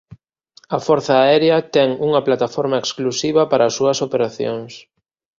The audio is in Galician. A Forza Aérea ten unha plataforma exclusiva para as súas operacións.